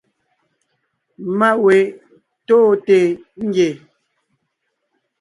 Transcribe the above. Má we tóonte ngie.